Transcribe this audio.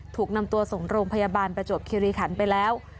ถูกนำตัวส่งโรงพยาบาลประจวบคิริขันไปแล้ว